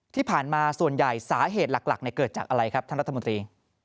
ที่ผ่านมาส่วนใหญ่สาเหตุหลักเกิดจากอะไรครับท่านรัฐมนตรี